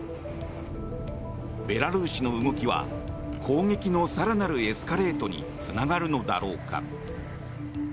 ベラルーシの動きは攻撃の更なるエスカレートにつながるのだろうか。